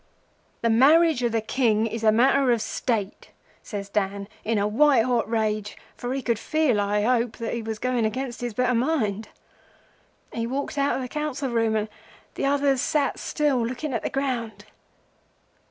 "'The marriage of a King is a matter of State,' says Dan, in a white hot rage, for he could feel, I hope, that he was going against his better mind. He walked out of the Council room, and the others sat still, looking at the ground.